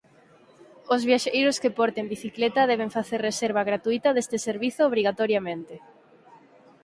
Os viaxeiros que porten bicicleta deben facer reserva gratuíta deste servizo obrigatoriamente.